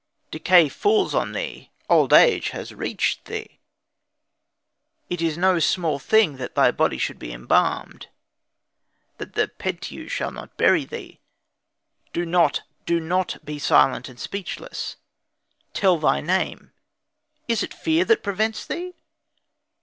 Decay falls on thee, old age has reached thee; it is no small thing that thy body should be embalmed, that the Pedtiu shall not bury thee. Do not, do not, be silent and speechless; tell thy name; is it fear that prevents thee?"